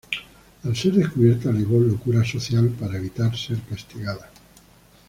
Al ser descubierta, alegó "locura social" para evitar ser castigada.